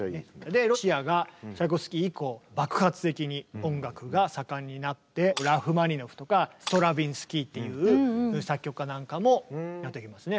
でロシアがチャイコフスキー以降爆発的に音楽が盛んになってラフマニノフとかストラヴィンスキーっていう作曲家なんかもやってきますね。